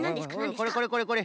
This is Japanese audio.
これこれこれこれ！